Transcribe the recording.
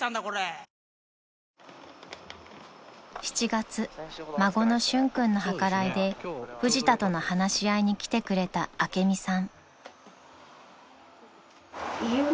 ［７月孫の俊君の計らいでフジタとの話し合いに来てくれた朱美さん］